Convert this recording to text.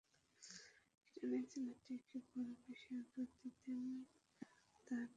কিরণ এই ছেলেটিকে বড়ো বেশি আদর দিতেন, তাহাতে সন্দেহ নাই।